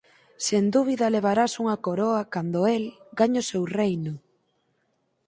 Sen dúbida levarás unha coroa cando “el” gañe o seu reino!